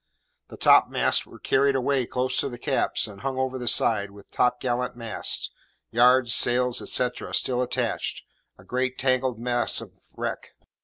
The topmasts were carried away close to the caps and hung over the side, with topgallant masts, yards, sails, etcetera, still attached, a great tangled mass of wreck.